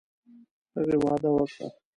هغې وعده وکړه.